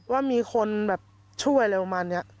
ว่ามีคนแบบช่วยอะไรประมาณนี้